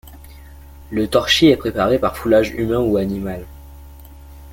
Le torchis est préparé par foulage humain ou animal.